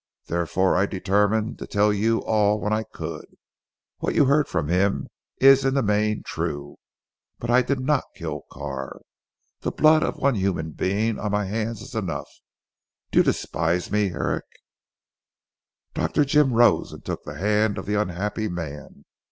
Therefore I determined to tell you all when I could. What you heard from him is in the main true. But I did not kill Carr. The blood of one human being on my hands is enough. Do you despise me Herrick?" Dr. Jim rose and took the hand of the unhappy man.